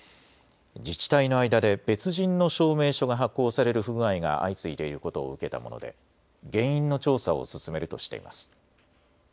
自治体の間で別人の証明書が発行される不具合が相次いでいることを受けたもので原因の調査を進めるとしています。